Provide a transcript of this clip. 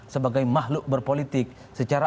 sebagai mahluk berpolitik secara